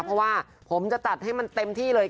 เพราะว่าผมจะจัดให้มันเต็มที่เลย